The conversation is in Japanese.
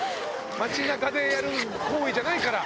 街中でやる行為じゃないから。